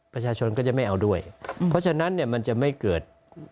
ประชาชนก็จะไม่เอาด้วยเพราะฉะนั้นเนี่ยมันจะไม่เกิด